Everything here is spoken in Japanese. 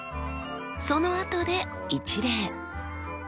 そのあとで一礼。